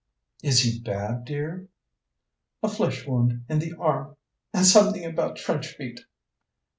"Is he bad, dear?" "A flesh wound in the arm, and something about trench feet."